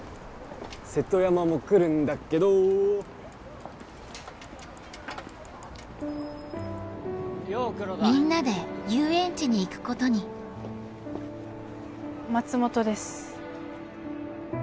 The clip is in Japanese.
瀬戸山も来るんだけどみんなで遊園地に行くことに松本です